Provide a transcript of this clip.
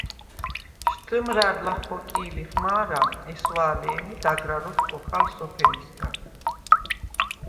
შდჷმრა̈რ ლახ ხოკი̄ლიხ მა̄რა, ესვა̄ლე̄მი დაგრა როქვ ხოხალ სოფელისგა.